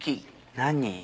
何？